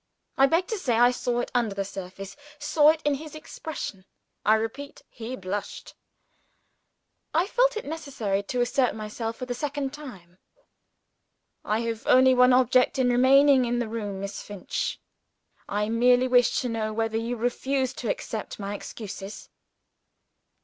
I beg to say I saw it under the surface saw it in his expression: I repeat he blushed. I felt it necessary to assert myself for the second time. "I have only one object in remaining in the room, Miss Finch. I merely wish to know whether you refuse to accept my excuses.